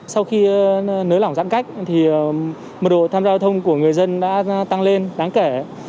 sau khi nới lỏng giãn cách độ tham gia giao thông của người dân đã tăng lên đáng kể